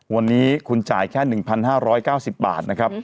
วันนี้คุณจ่ายแค่๑๕๙๐บาท